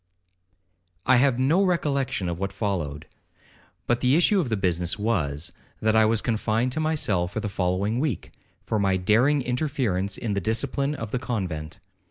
'I have no recollection of what followed; but the issue of the business was, that I was confined to my cell for the following week, for my daring interference in the discipline of the convent.